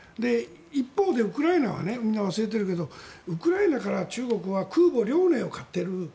一方でウクライナはみんな忘れているけどウクライナから中国は空母「遼寧」を買っている。